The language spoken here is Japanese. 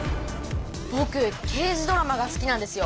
ぼく刑事ドラマが好きなんですよ。